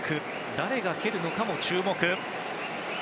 誰が蹴るかも注目。